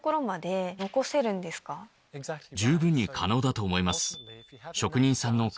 十分に可能だと思います。